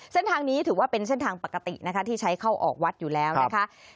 เส้นทางนี้ถือว่าเป็นเส้นทางปกตินะคะที่ใช้เข้าออกวัดอยู่แล้วนะคะ